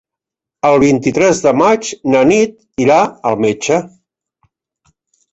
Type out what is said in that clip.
El vint-i-tres de maig na Nit irà al metge.